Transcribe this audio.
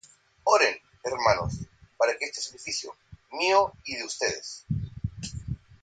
Oren, hermanos, para que este sacrificio, mío y de ustedes,